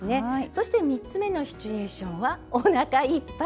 そして３つ目のシチュエーションはおなかいっぱい食べたいとき。